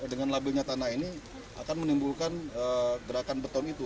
dengan labelnya tanah ini akan menimbulkan gerakan beton itu